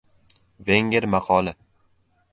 Venger maqoli